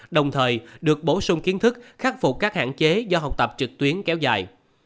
đồng thời được bổ sung kiến thức khắc phục các hạn chế do học tập trực tuyến kéo dài